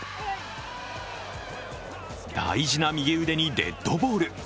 大事な右腕にデッドボール。